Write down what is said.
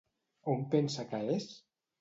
On pensa que és?